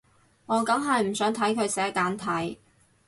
我梗係唔想睇佢寫簡體